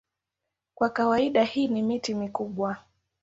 Kwa kawaida hii ni miti mikubwa.